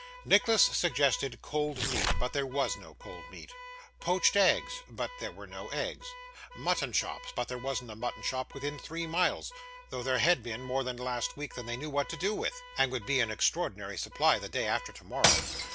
Nicholas suggested cold meat, but there was no cold meat poached eggs, but there were no eggs mutton chops, but there wasn't a mutton chop within three miles, though there had been more last week than they knew what to do with, and would be an extraordinary supply the day after tomorrow.